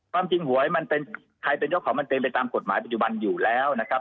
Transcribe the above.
ความจริงหวยมันเป็นใครเป็นเจ้าของมันเป็นไปตามกฎหมายปัจจุบันอยู่แล้วนะครับ